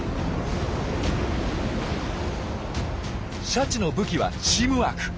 シャチの武器はチームワーク。